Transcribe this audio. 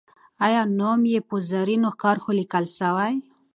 آیا نوم یې په زرینو کرښو لیکل سوی؟